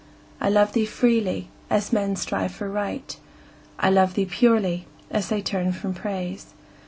I love thee freely, as men strive for Right; I love thee purely, as they turn from Praise.